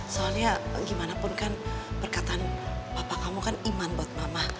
soalnya gimana pun kan perkataan bapak kamu kan iman buat mama